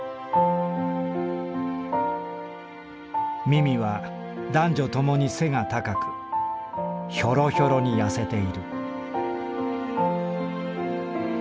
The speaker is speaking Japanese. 「ミミは男女ともに背が高くヒョロヒョロにやせている」。